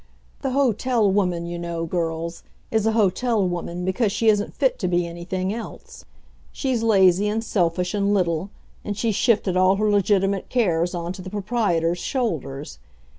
The hotel woman, you know, girls, is a hotel woman because she isn't fit to be anything else. She's lazy and selfish and little, and she's shifted all her legitimate cares on to the proprietor's shoulders.